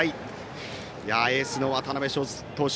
エースの渡辺投手